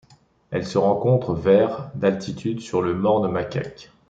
Elle se rencontre vers d'altitude sur le morne Macaque.